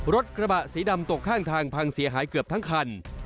รถกระบะสีดำตกข้างทางพังเสียหายเกือบทั้งคัน